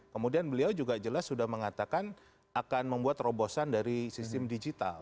kemudian beliau juga jelas sudah mengatakan akan membuat terobosan dari sistem digital